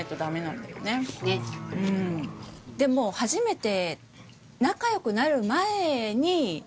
でも初めて。